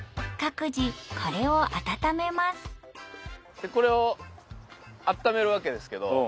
各自これを温めますでこれをあっためるわけですけど。